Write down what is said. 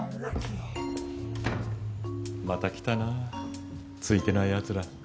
また来たなついてない奴ら。